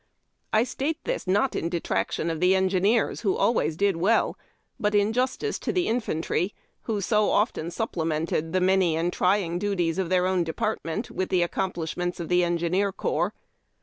I state this not in detrac tion of the engineers, who always did well, but in justice to the infantry, who so often supplemented the many and trying duties of their own department with the accomplishments of the engineer corps.